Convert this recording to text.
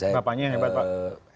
bapaknya hebat pak